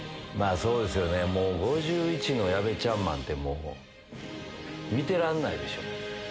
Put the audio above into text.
そうですよね、もう５１のヤベチャンマンって、もう、見てらんないでしょ。